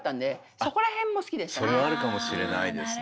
それはあるかもしれないですね。